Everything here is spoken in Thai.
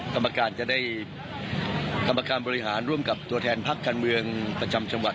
กรรมการจะได้กรรมการบริหารร่วมกับตัวแทนพักการเมืองประจำจังหวัด